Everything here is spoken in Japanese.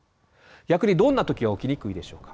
逆にどんな時は起きにくいでしょうか？